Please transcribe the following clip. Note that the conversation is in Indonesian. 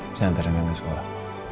bisa diantarin sekolah